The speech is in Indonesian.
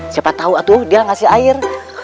siapa tahu dia memberikan air